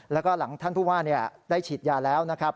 แล้วก็หลังท่านผู้ว่าได้ฉีดยาแล้วนะครับ